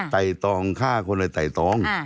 ไตตองฆ่าคนโดยไต่ตอง